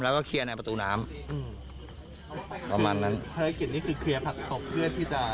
แล้วก็เคลียร์ในประตูน้ำอืมประมาณนั้นภารกิจนี้คือเคลียร์ผักตบเพื่อที่จะ